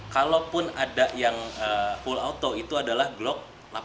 kalaupun ada yang full auto itu adalah glock delapan